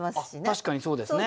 確かにそうですね。